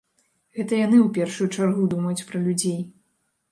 Гэта яны ў першую чаргу думаюць пра людзей.